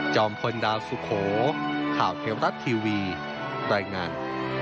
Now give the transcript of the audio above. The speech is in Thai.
พลดาวสุโขข่าวเทวรัฐทีวีรายงาน